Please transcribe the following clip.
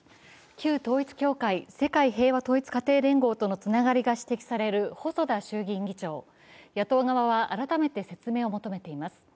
旧統一教会、世界平和統一家庭連合とのつながりが指摘される細田衆議院議長、野党側は改めて説明を求めています。